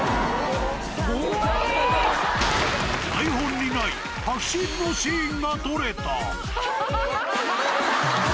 台本にない、迫真のシーンが撮れた。